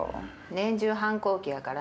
年中反抗期やからね。